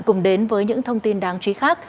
cùng đến với những thông tin đáng chú ý khác